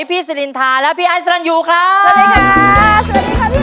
ผู้จบให้พี่สลินทาแล้วพี่อนซ่ารันยูคร้าบ